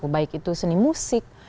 baik itu seni musik